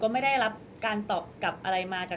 ก็ต้องฝากพี่สื่อมวลชนในการติดตามเนี่ยแหละค่ะ